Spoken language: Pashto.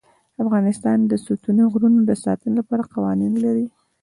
افغانستان د ستوني غرونه د ساتنې لپاره قوانین لري.